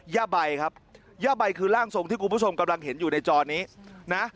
ย่าใบครับย่าใบคือร่างทรงที่คุณผู้ชมกำลังเห็นอยู่ในจอนี้นะ